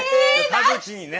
田渕にね。